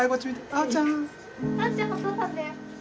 あおちゃんお父さんだよ。